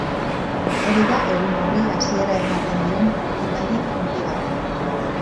Hori da egun horri hasiera ematen dion ekitaldi hunkigarria.